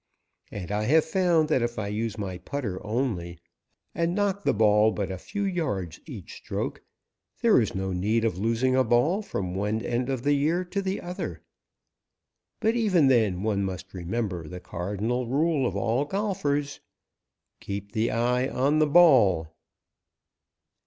And I have found that if I use my putter only, and knock the ball but a few yards each stroke, there is no need of losing a ball from one end of the year to the other. But even then one must remember the cardinal rule of all golfers "Keep the eye on the ball."